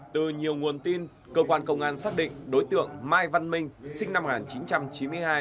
từ nhiều nguồn tin cơ quan công an xác định đối tượng mai văn minh sinh năm một nghìn chín trăm chín mươi hai